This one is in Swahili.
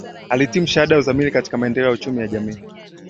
Alihitimu shahada ya uzamili katika maendeleo ya uchumi ya jamii